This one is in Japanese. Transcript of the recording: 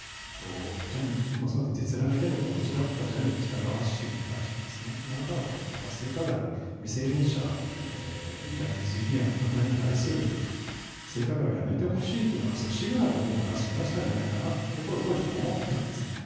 そのとき、絶大の権力をお持ちだったジャニー喜多川氏に対して、なんらかの性加害、未成年者、ジャニーズＪｒ．の方に対する性加害をやめてほしいってシグナルを、僕は出したんじゃないかなということを、当時思ったんですね。